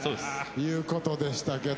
いう事でしたけど。